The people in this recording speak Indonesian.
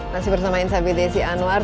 masih bersama inside bd si anwar